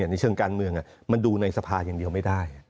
ในเชิงการเมืองมันดูในสภาอย่างเดียวไม่ได้